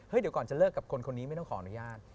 เดี๋ยวก่อนจะเลิกกับคนคนนี้ไม่ต้องขออนุญาต